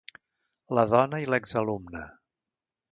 La dona i l'exalumna.